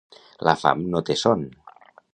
La fam no té son.